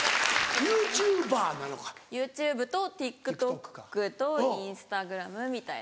ＹｏｕＴｕｂｅとＴｉｋＴｏｋとＩｎｓｔａｇｒａｍみたいな。